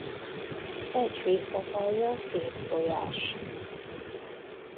Egy fészekalja két tojás.